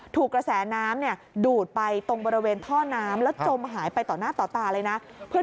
ถูกกระแสน้ำดูดไปตรงบริเวณท่อน้ำแล้วจมหายไปต่อหน้าต่อตาเลยนะ